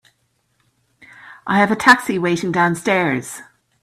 I have a taxi waiting downstairs.